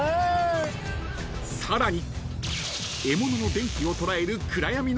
［さらに］